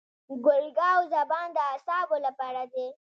ګل ګاو زبان د اعصابو لپاره دی.